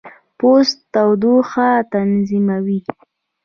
پوست تودوخه تنظیموي.